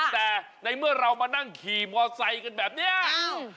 แต่ในเมื่อเรามานั่งขี่มอไซค์กันแบบเนี้ยอ้าว